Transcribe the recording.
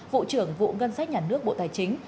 vụ trưởng vụ ngân sách nhà nước bộ tài chính